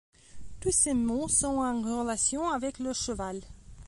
Tous ces mots sont en relation avec le cheval.